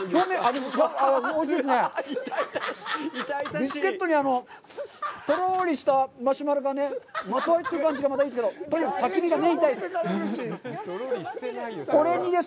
ビスケットにとろりとしたマシュマロがね、まとわりつく感じがまたいいですけど、とにかくたき火が、目が痛いです。